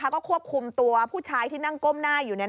ก็ควบคุมตัวผู้ชายที่นั่งก้มหน้าอยู่